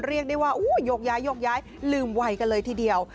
เรียกได้ว่าโหยกย้ายลืมไหวกันเลยทีเดียว